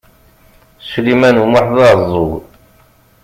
Sliman U Muḥ d aɛeẓẓug.